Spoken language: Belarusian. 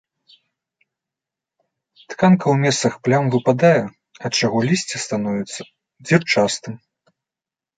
Тканка ў месцах плям выпадае, ад чаго лісце становіцца дзірчастым.